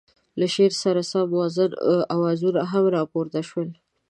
له شعر سره سم موزون اوازونه هم را پورته شول.